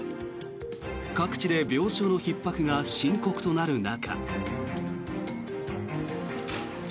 各地で病床のひっ迫が深刻となる中。